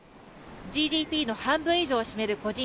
ＧＤＰの半分以上を占める個人